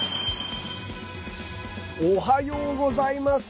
おはようございます。